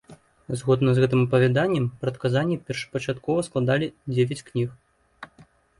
Згодна з гэтым апавяданнем, прадказанні першапачаткова складалі дзевяць кніг.